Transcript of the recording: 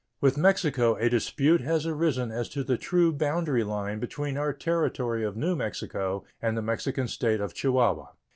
With Mexico a dispute has arisen as to the true boundary line between our Territory of New Mexico and the Mexican State of Chihuahua.